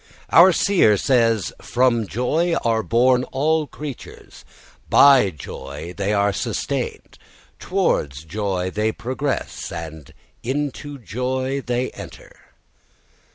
Our seer says, "From joy are born all creatures, by joy they are sustained, towards joy they progress, and into joy they enter."